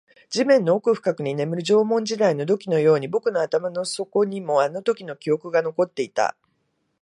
地面の奥深くに眠る縄文時代の土器のように、僕の頭の底にもあのときの記憶が残っていた